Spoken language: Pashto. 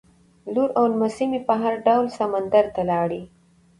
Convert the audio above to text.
لور او نمسۍ مې په هر ډول سمندر ته لاړې.